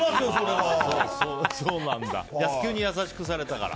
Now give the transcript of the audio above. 急に優しくされたから。